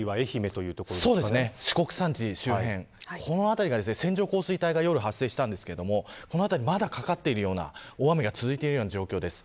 四国山地周辺、この辺りが線状降水帯が夜、発生したんですがまだかかっているような大雨が続いている状況です。